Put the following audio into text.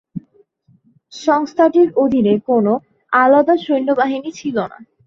সংস্থাটির অধীনে কোন আলাদা সৈন্যবাহিনী ছিল না।